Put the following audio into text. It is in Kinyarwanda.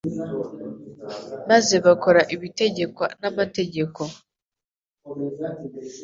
maze bakora ibitegekwa n'amategeko.